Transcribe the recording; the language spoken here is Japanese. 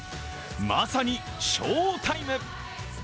まさに賞タイム！